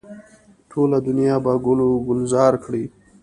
ټوله دنیا به ګل و ګلزاره کړي.